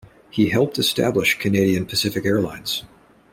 He helped establish Canadian Pacific Air Lines.